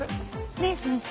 ねぇ先生。